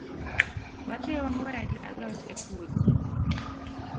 Wadhii wangwed alot e puodho.